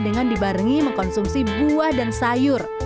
dengan dibarengi mengkonsumsi buah dan sayur